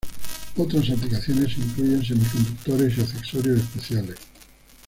Otras aplicaciones incluyen semiconductores y accesorios especiales.